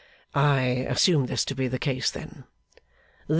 'I assume this to be the case, then.